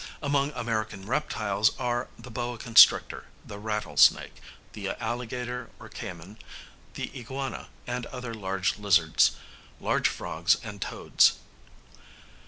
Among American reptiles are the boa constrictor, the rattlesnake, the alligator or cayman, the iguana and other large lizards, large frogs and toads.